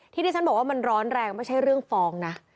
ที่ที่ฉันบอกว่ามันร้อนแรงไม่ใช่เรื่องฟ้องนะ